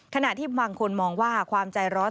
ขณะที่บางคนมองว่าความใจร้อน